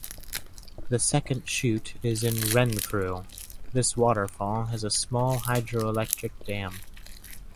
The Second Chute is in Renfrew; this waterfall has a small hydroelectric dam.